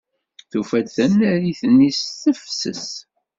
Tufa-d tanarit-nni s tefses.